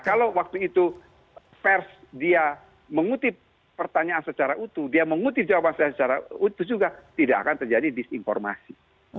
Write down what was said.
kalau waktu itu pers dia mengutip pertanyaan secara utuh dia mengutip jawaban saya secara utuh juga tidak akan terjadi disinformasi